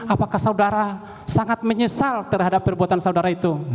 apakah saudara sangat menyesal terhadap perbuatan saudara itu